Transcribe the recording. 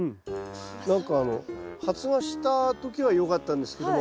何か発芽した時はよかったんですけども。